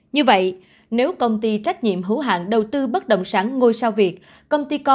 như vậy nếu công ty trách nhiệm hữu hạn đầu tư bất động sản ngôi sao việt